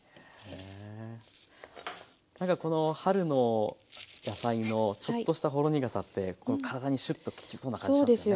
何かこの春の野菜のちょっとしたほろ苦さって体にシュッと効きそうな感じしますよね。